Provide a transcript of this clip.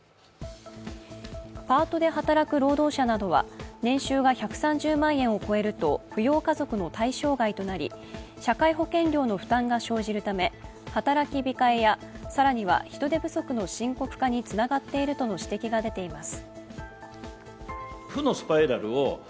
パートで働く労働者などは年収が１３０万円を超えると扶養家族の対象外となり、社会保険料の負担が生じるため、働き控えや更には人手不足の深刻化につながっているとの指摘が出ています。